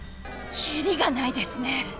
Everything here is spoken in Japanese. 切りがないですね。